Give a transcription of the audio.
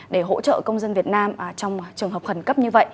để hỗ trợ công dân việt nam trong trường hợp khẩn cấp như vậy